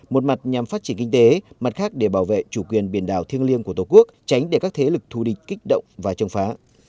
một mặt nhằm phát triển kinh tế mặt khác để bảo vệ chủ quyền biển đảo thiêng liêng của tổ quốc tránh để các thế lực thù địch kích động và chống phá